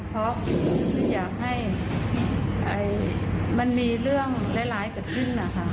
เพราะอยากให้มันมีเรื่องร้ายเกิดขึ้นนะคะ